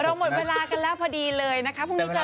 เราหมดเวลากันแล้วพอดีเลยครับ